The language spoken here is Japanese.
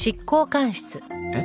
えっ？